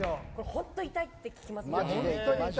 本当に痛いって聞きますよ。